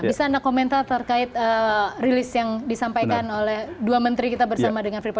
bisa anda komentar terkait rilis yang disampaikan oleh dua menteri kita bersama dengan freeport